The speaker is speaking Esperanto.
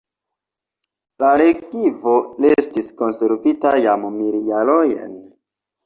La relikvo restis konservita jam mil jarojn.